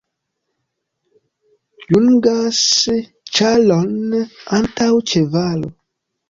Jungas ĉaron antaŭ ĉevalo.